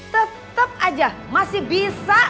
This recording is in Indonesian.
tetep aja masih bisa